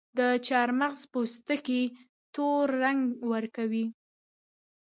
د چارمغز پوستکي تور رنګ ورکوي.